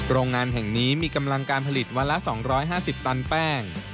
โรงงานแห่งนี้มีกำลังการผลิตวันละ๒๕๐ตันแป้ง